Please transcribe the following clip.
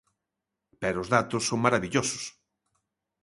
Pero os datos son marabillosos.